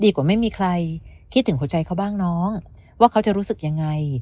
ดีกว่าได้ก่อนไม่มีใครคิดถึงหัวใจเขาบ้างว่าเขาจะรู้ยังไง